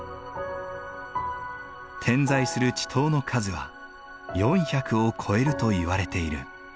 点在する池塘の数は４００を超えるといわれている。